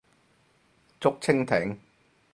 竹蜻蜓